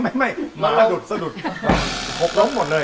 หมดเลย